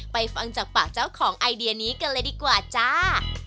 ฟังจากปากเจ้าของไอเดียนี้กันเลยดีกว่าจ้า